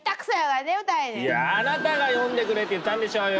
いやあなたが読んでくれって言ったんでしょうよ！